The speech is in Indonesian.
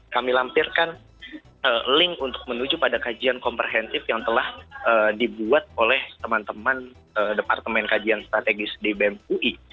kami lampirkan link untuk menuju pada kajian komprehensif yang telah dibuat oleh teman teman departemen kajian strategis di bem ui